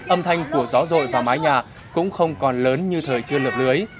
âm thanh của gió rội vào mái nhà cũng không còn lớn như thời chưa lượp lưới